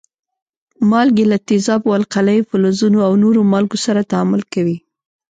مالګې له تیزابو، القلیو، فلزونو او نورو مالګو سره تعامل کوي.